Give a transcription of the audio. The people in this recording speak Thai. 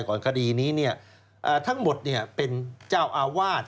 ก่อนคดีนี้เนี่ยทั้งหมดเนี่ยเป็นเจ้าอาวาส